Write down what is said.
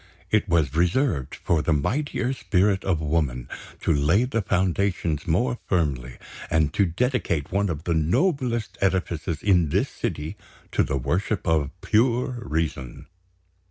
It was reserved for the mightier spirit of woman to lay the foundations more firmly, and to dedicate one of the noblest edifices in this city to the Worship of Pure Reason.